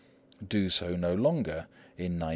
do so no longer in 1902.